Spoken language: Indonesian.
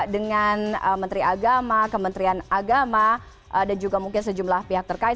dengan menteri agama kementerian agama dan juga mungkin sejumlah pihak terkait